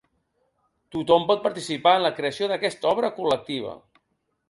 Tothom pot participar en la creació d’aquesta obra col·lectiva.